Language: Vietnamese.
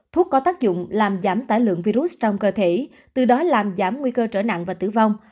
thuốc có tác dụng làm giảm tải lượng virus trong cơ thể từ đó làm giảm nguy cơ trở nặng và tử vong